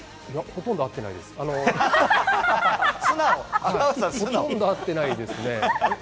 ほとんど合ってないですね。